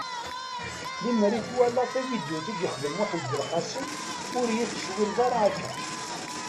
Limer i twalaḍ tavidyut i d-yexdem Muḥend Belqasem ur iyi-tettcewwileḍ ara akka.